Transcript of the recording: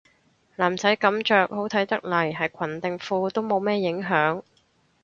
男仔噉着好睇得嚟係裙定褲都冇乜影響